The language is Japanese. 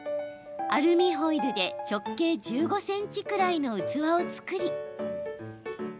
アルミホイルで直径１５ｃｍくらいの器を作り